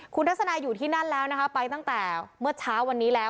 คุณทัศนาอยู่ที่นั่นแล้วนะคะไปตั้งแต่เมื่อเช้าวันนี้แล้ว